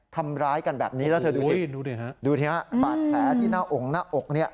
ทำร้ายกันแบบนี้แล้วดูดินะฮะดูดินะฮะปาดแท้ที่หน้าองค์หน้าองค์นี้